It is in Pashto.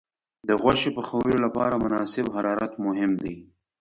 د غوښې پخولو لپاره مناسب حرارت مهم دی.